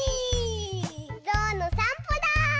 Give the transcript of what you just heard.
ぞうのさんぽだ！